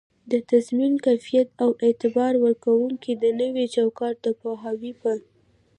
د تضمین کیفیت او اعتبار ورکووني د نوي چوکات د پوهاوي په